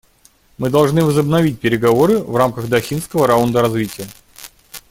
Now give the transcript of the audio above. Мы должны возобновить переговоры в рамках Дохинского раунда развития.